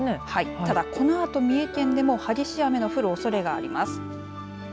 ただこのあと三重県でも激しい雨の降るおそれがあります。